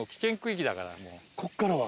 こっからは？